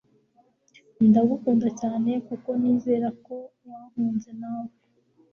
Ndagukunda cyane kuko nizera ko wankunze nawe